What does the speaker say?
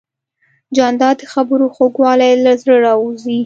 جانداد د خبرو خوږوالی له زړه راوزي.